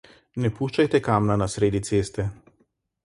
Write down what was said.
Ne puščajte kamna na sredi ceste.